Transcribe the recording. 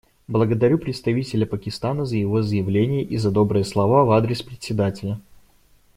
Благодарю представителя Пакистана за его заявление и за добрые слова в адрес Председателя.